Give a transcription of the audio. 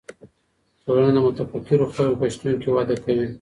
ټولنه د متفکرو خلګو په شتون کي وده کوي.